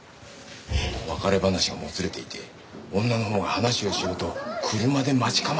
別れ話がもつれていて女のほうが話をしようと車で待ち構えてたんだと。